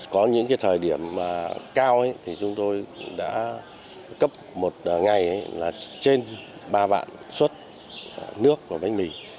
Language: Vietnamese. có những cái thời điểm mà cao ấy thì chúng tôi đã cấp một ngày là trên ba vạn suất nước và bánh mì